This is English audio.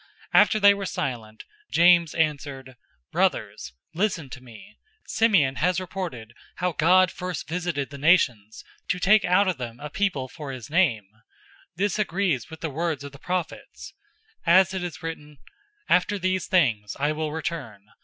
015:013 After they were silent, James answered, "Brothers, listen to me. 015:014 Simeon has reported how God first visited the nations, to take out of them a people for his name. 015:015 This agrees with the words of the prophets. As it is written, 015:016 'After these things I will return.